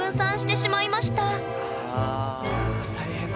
大変だ。